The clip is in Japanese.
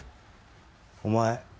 お前